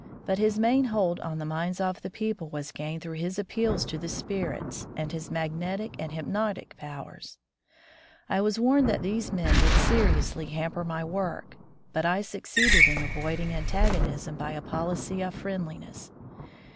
But his main hold on the minds of the people was gained through his appeals to the spirits and his magnetic and hypnotic powers. I was warned that these men would seriously hamper my work, but I succeeded in avoiding antagonism by a policy of friendliness.